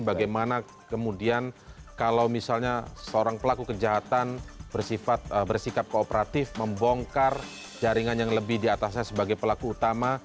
bagaimana kemudian kalau misalnya seorang pelaku kejahatan bersikap kooperatif membongkar jaringan yang lebih diatasnya sebagai pelaku utama